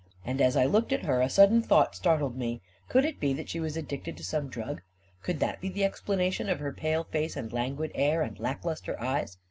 And as I looked at her, a sudden thought startled me. Could it be that she was addicted to some drug? Could that be the explanation of her pale face and languid air and lack lustre eyes